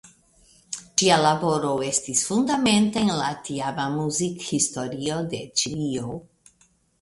Ŝia laboro estis fundamenta en la tiama muzikhistorio de Ĉilio.